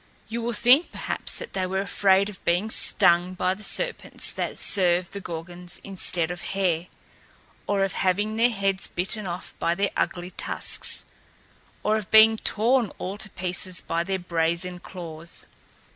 You will think, perhaps, that they were afraid of being stung by the serpents that served the Gorgons instead of hair or of having their heads bitten off by their ugly tusks or of being torn all to pieces by their brazen claws.